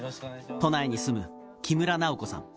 都内に住む木村菜穂子さん。